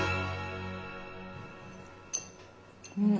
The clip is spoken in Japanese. うん。